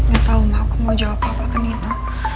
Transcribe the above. gak tau mah aku mau jawab apa ke nino